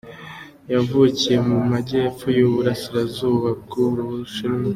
Yavukiye mu majyepfo y’uburasirazuba bw’u Bushinwa.